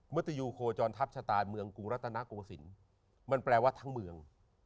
มฤตยุโคจรทัพชะตาเมืองกุรัตนากุศินมันแปลว่าทั้งเมือง